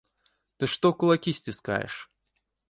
Ты што кулакі сціскаеш?